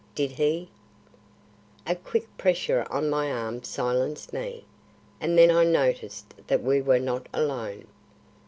"Did he " A quick pressure on my arm silenced me, and then I noticed that we were not alone.